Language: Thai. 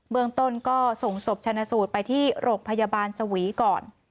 เมืองต้นก็ส่งศพชนะสูตรไปที่โรงพยาบาลสวีก่อน